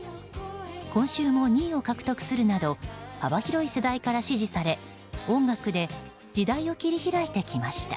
今週も２位を獲得するなど幅広い世代から支持され音楽で時代を切り開いてきました。